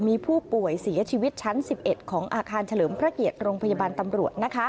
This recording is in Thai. มีผู้ป่วยเสียชีวิตชั้น๑๑ของอาคารเฉลิมพระเกียรติโรงพยาบาลตำรวจ